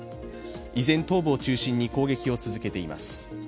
依然、東部を中心に攻撃を続けています。